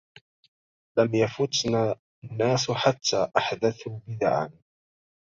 لم يفتأ الناس حتى أحدثوا بدعا